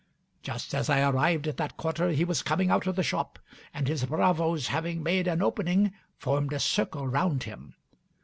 Just as I arrived at that quarter he was coming out of the shop, and his bravoes, having made an opening, formed a circle round him.